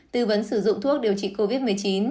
tư vấn sử dụng thuốc điều trị covid một mươi chín